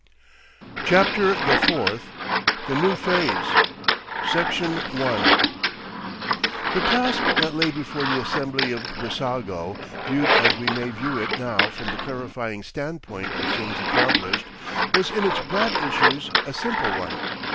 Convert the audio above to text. CHAPTER THE FOURTH THE NEW PHASE Section 1 The task that lay before the Assembly of Brissago, viewed as we may view it now from the clarifying standpoint of things accomplished, was in its broad issues a simple one.